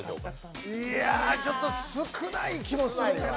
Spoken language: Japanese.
ちょっと少ない気もするなあ。